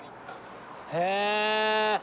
へえ。